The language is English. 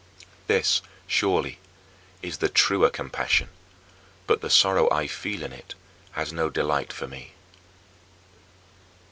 This, surely, is the truer compassion, but the sorrow I feel in it has no delight for me.